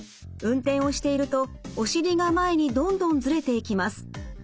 運転をしているとお尻が前にどんどんずれていきます。